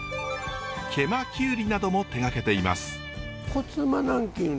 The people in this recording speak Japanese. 毛馬きゅうりなども手がけています。